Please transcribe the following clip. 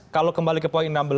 kalau kembali ke poin enam belas